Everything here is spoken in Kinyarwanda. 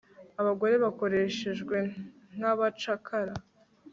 abagore bakoreshejwe nkabacakara